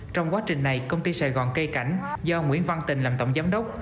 trong quá trình này công ty sài gòn cây cảnh do nguyễn văn tình làm tổng giám đốc